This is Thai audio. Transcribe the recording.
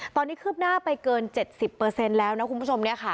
ตอนนี้คืบหน้าไปเกิน๗๐แล้วนะคุณผู้ชม